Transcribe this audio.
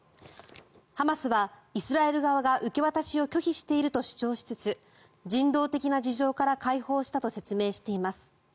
ハマスはイスラエル側が受け渡しを拒否していると主張しつつ人道的な事情から解放したと説明しています。